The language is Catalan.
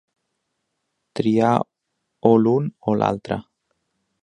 Triar o l'un o l'altre.